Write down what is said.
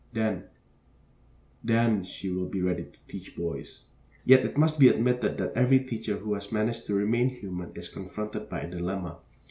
Then, then she will be ready to teach boys. Yet it must be admitted that every teacher who has managed to remain human is confronted by a dilemma.